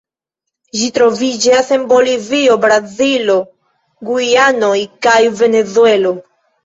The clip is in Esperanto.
Ĝi troviĝas en Bolivio, Brazilo, Gujanoj kaj Venezuelo.